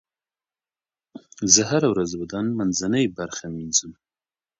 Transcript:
زه هره ورځ د بدن منځنۍ برخه مینځم.